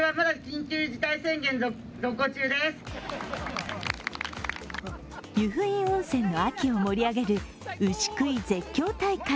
大分では湯布院温泉の秋を盛り上げる牛喰い絶叫大会。